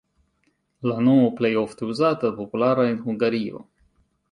La nomo plej ofte uzata, populara en Hungario.